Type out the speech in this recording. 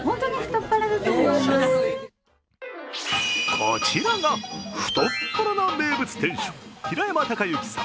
こちらが太っ腹な名物店主平山孝幸さん